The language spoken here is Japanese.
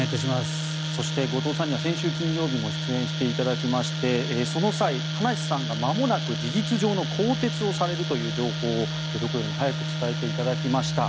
そして後藤さんには先週金曜日も出演していただきましてその際、葉梨さんがまもなく事実上の更迭をされるという情報をどこよりも早く伝えていただきました。